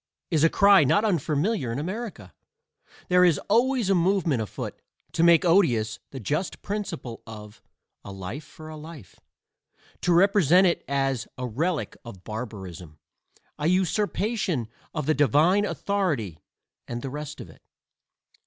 is a cry not unfamiliar in America. There is always a movement afoot to make odious the just principle; of "a life for a life" to represent it as "a relic of barbarism," "a usurpation of the divine authority," and the rest of it.